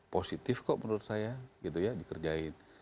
positif kok menurut saya gitu ya dikerjain